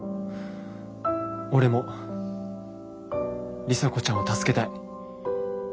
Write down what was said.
俺も里紗子ちゃんを助けたい。